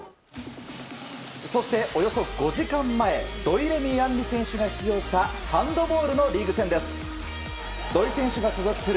そして、およそ５時間前土井レミイ杏利選手が出場したハンドボールのリーグ戦です。